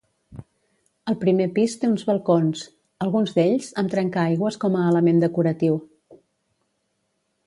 El primer pis té uns balcons, alguns d'ells amb trencaaigües com a element decoratiu.